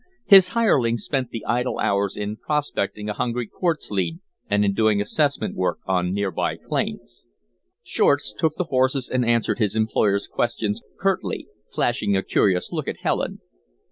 His hireling spent the idle hours in prospecting a hungry quartz lead and in doing assessment work on near by claims. Shortz took the horses and answered his employer's questions curtly, flashing a curious look at Helen.